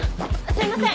すいません。